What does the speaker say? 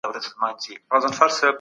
تاسي باید همېشه د خدای ذکر وکړئ.